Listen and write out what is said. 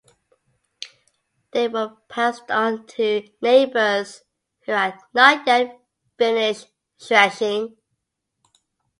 They were passed on to neighbors who had not yet finished threshing.